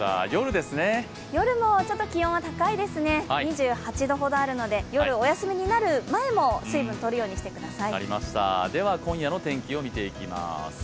夜も気温は高いですね、２８度ほどあるので、夜、お休みになる前も水分をとるようにしてください。